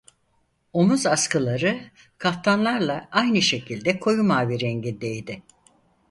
Omuz askıları kaftanlarla aynı şekilde koyu mavi rengindeydi.